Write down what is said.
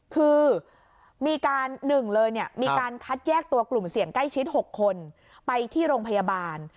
คือมีการ๑เลยเนี่ยมีการคัดแยกตัวกลุ่มเสี่ยงใกล้ชิด๖คนไปที่โรงพยาบาล